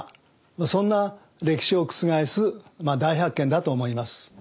そんな歴史を覆す大発見だと思います。